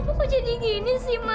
apa kau jadi gini sih ma